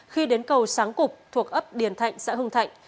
khi đến cầu sáng cục thuộc ấp điền thạnh xã hưng thạnh